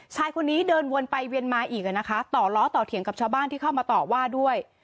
ชายคนนี้เดินวนไปเวียนมาอีกนะคะต่อล้อต่อเถียงกับชาวบ้านที่เข้ามาต่อว่าด้วย